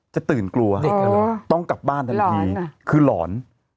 จะตื่นกลัวต้องกลับบ้านทันทีคือหลอน